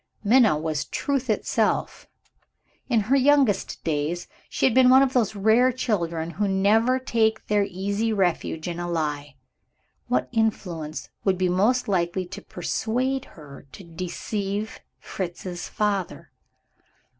Minna was truth itself; in her youngest days, she had been one of those rare children who never take their easy refuge in a lie. What influence would be most likely to persuade her to deceive Fritz's father?